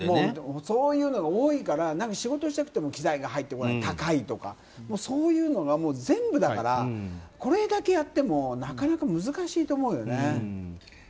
そういうのが多いから仕事したくても機材が入ってこない高いとか、そういうのが全部だから、これだけやってもなかなか難しいと思うよね。